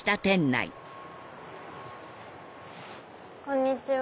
こんにちは。